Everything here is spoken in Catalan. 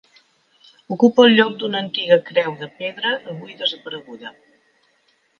Ocupa el lloc d'una antiga Creu de Pedra, avui desapareguda.